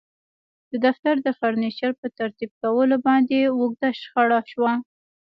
د دفتر د فرنیچر په ترتیب کولو باندې اوږده شخړه شوه